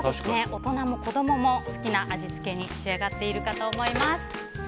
大人も子供も好きな味付けに仕上がっていると思います。